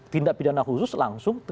tindak pidana khusus langsung